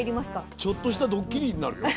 ちょっとしたドッキリになるよ。